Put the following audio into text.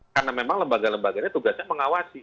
karena memang lembaga lembaga ini tugasnya mengawasi